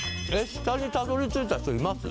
下にたどり着いた人います？